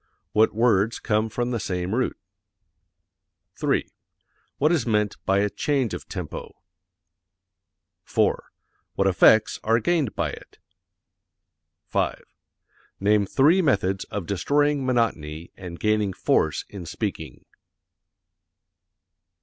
What words come from the same root? 3. What is meant by a change of tempo? 4. What effects are gained by it? 5. Name three methods of destroying monotony and gaining force in speaking.